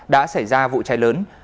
đã xảy ra vụ cháy lớn